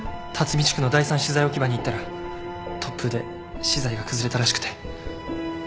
立見地区の第３資材置き場に行ったら突風で資材が崩れたらしくて。